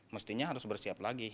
mestinya harus bersiap lagi